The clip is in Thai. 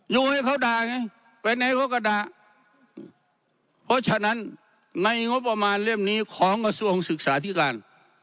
อยู่ให้เขาด่าไงไปไหนเขาก็ด่าเพราะฉะนั้นในงบประมาณเล่มนี้ของกระทรวงศึกษาธิการ